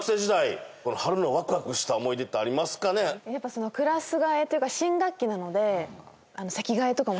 皆さんクラス替えというか新学期なのであ